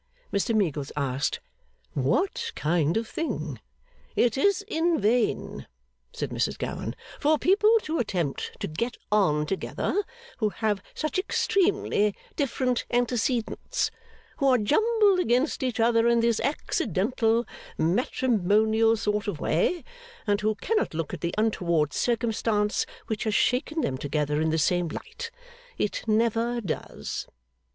Mr Meagles asked, What kind of thing? 'It is in vain,' said Mrs Gowan, 'for people to attempt to get on together who have such extremely different antecedents; who are jumbled against each other in this accidental, matrimonial sort of way; and who cannot look at the untoward circumstance which has shaken them together in the same light. It never does.